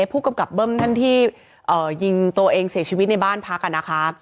ผู้กำกับเบิ้มท่านที่ยิงตัวเองเสียชีวิตในบ้านพักนะคะ